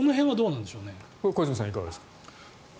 小泉さん、いかがですか。